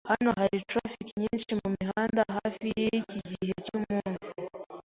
Hano hari traffic nyinshi mumihanda hafi yiki gihe cyumunsi.